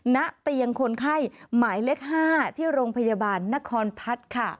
ณเตียงคนไข้หมายเลข๕ที่โรงพยาบาลนครพัฒน์ค่ะ